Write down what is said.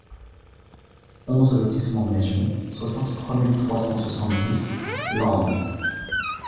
onze lotissement Mègemont, soixante-trois mille trois cent soixante-dix Lempdes